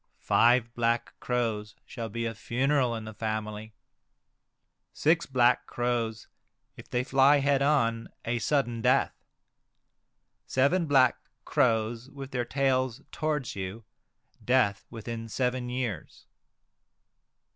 Five black crows shall be a funeral in the family. Six black crows, if they fly head on, a sudden death. Seven black crows with their tails towards you, death within seven years.